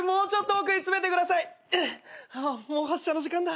もう発車の時間だ。